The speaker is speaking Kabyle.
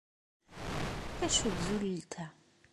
Acu n tzulelt-a?